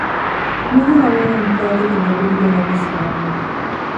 ނިހާ އުޅުނީ ނިކާލްދެކެ ލޯބިވެގެނެއްވެސް ނޫން